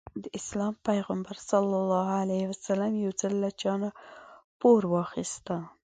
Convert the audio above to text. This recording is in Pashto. د اسلام پيغمبر ص يو ځل له چانه پور واخيسته.